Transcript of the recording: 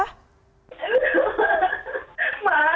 aku udah mampu sama pastor lagi ada